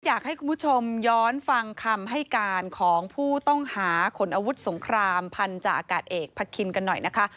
อยากให้คุณผู้ชมย้อนฟังคำให้การของผู้ต้องหาขนอาวุธสงครามพันธาอากาศเอกพระคินกันหน่อยนะคะ